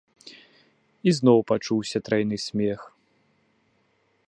І зноў пачуўся трайны смех.